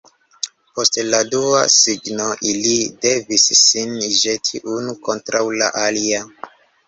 Post la dua signo ili devis sin ĵeti unu kontraŭ la alia.